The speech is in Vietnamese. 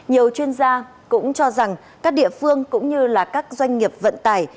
họ cho rằng các địa phương cũng như là các doanh nghiệp vận tải